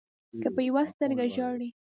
که په يوه سترګه ژاړې